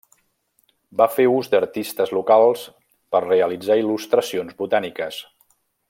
Va fer ús d'artistes locals per realitzar il·lustracions botàniques.